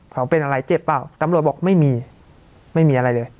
เขาเป็นอะไรเจ็บเปล่าตำรวจบอกไม่มีไม่มีอะไรเลย